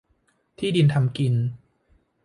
ที่ดินทำกิน